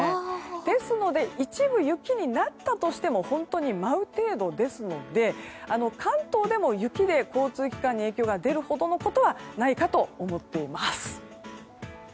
ですので、一部雪になったとしても舞う程度ですので関東でも雪で交通機関に影響が出るほどのことはないかと思っています。